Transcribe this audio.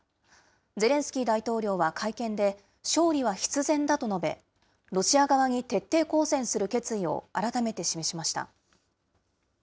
ゼレンスキー大統領は会見で、勝利は必然だと述べ、ロシア側に徹底抗戦する決意を改めて示しました。